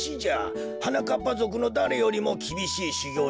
はなかっぱぞくのだれよりもきびしいしゅぎょうにたえたぞ。